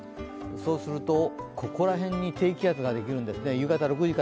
そうすると、ここら辺に低気圧ができるんですね。